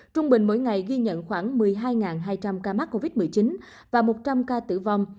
trung bình mỗi ngày ghi nhận khoảng một mươi hai hai trăm linh ca mắc covid một mươi chín và một trăm linh ca tử vong